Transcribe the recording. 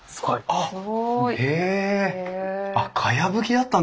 あっかやぶきだったんですね。